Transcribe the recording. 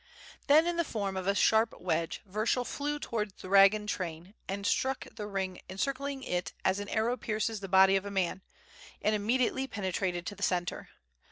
Then in the form of a sharp wedge Vyershul flew towards the wagon train and struck the ring encircling it as an arrow pierces the body of a man, and immediately pene trated to the centre.